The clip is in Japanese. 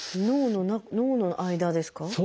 脳の間ですか？